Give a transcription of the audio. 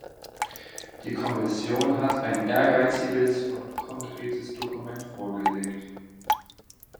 Die Kommission hat ein ehrgeiziges und konkretes Dokument vorgelegt.